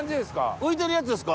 浮いてるやつですか？